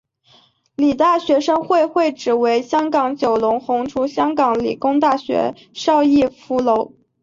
理大学生会会址为香港九龙红磡香港理工大学邵逸夫楼。